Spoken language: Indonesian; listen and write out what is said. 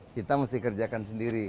kita mesti kerjakan sendiri